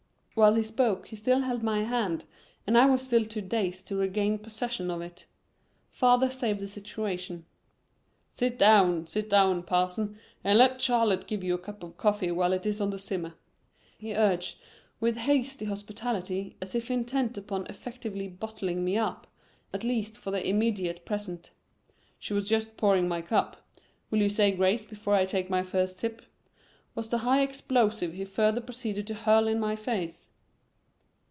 While he spoke he still held my hand and I was still too dazed to regain possession of it. Father saved the situation. "Sit down, sit down, Parson, and let Charlotte give you a cup of coffee while it is on the simmer," he urged with hasty hospitality as if intent upon effectively bottling me up, at least for the immediate present. "She was just pouring my cup. Will you say grace before I take my first sip?" was the high explosive he further proceeded to hurl in my face.